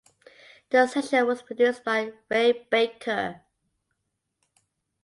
The session was produced by Ray Baker.